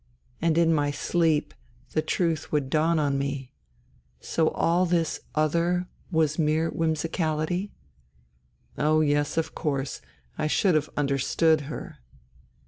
And in my sleep the " truth " would dawn on me : "So all this other ... was mere whimsicality ? Oh yes, of course ! I should have understood her."